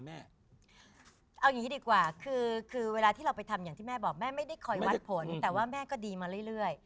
เอาอย่างนี้ดีกว่าคือเวลาที่เราไปทำอย่างที่แม่บอกแม่ไม่ได้คอยวัดผลแต่ว่าแม่ก็ดีมาเรื่อย